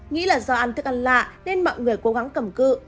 nghĩ là do ăn thức ăn lạ nên mọi người cố gắng cầm cự